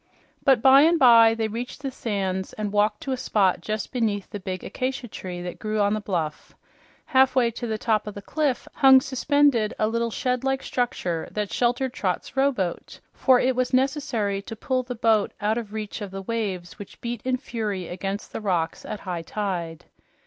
But by and by they reached the sands and walked to a spot just beneath the big acacia tree that grew on the bluff. Halfway to the top of the cliff hung suspended a little shed like structure that sheltered Trot's rowboat, for it was necessary to pull the boat out of reach of the waves which beat in fury against the rocks at high tide.